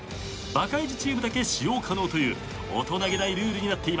バカイジチームだけ使用可能という大人げないルールになっています。